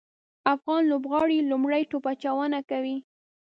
افغان لوبغاړي لومړی توپ اچونه کوي